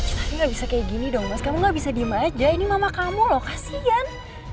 tadi nggak bisa kayak gini dong mas kamu gak bisa diem aja ini mama kamu loh kasihan